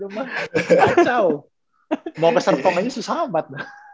mau keserpongan ini susah amat